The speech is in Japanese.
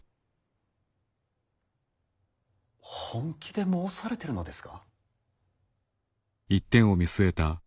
本気で申されてるのですか。